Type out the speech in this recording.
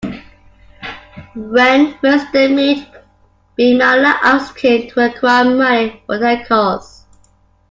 When first they meet, Bimala asks him to acquire money for their cause.